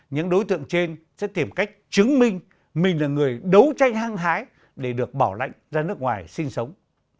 những đối tượng trên sẽ tìm cách chứng minh mình là người đấu tranh hăng hái để được bảo lãnh ra nước ngoài sinh sống